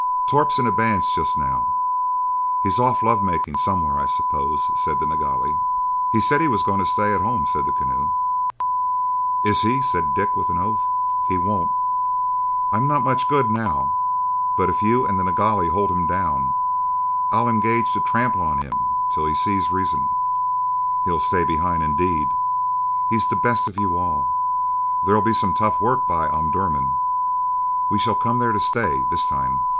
"Torp's in abeyance just now. He's off love making somewhere, I suppose," said the Nilghai. "He said he was going to stay at home," said the Keneu. "Is he?" said Dick, with an oath. "He won't. I'm not much good now, but if you and the Nilghai hold him down I'll engage to trample on him till he sees reason. He'll stay behind, indeed! He's the best of you all. There'll be some tough work by Omdurman. We shall come there to stay, this time.